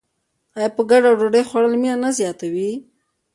آیا په ګډه ډوډۍ خوړل مینه نه زیاتوي؟